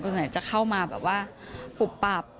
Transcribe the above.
คนไหนจะเข้ามาแบบว่าปุ๊บปับ